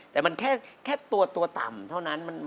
แต่มันแค่ตัวต่ำเท่านั้น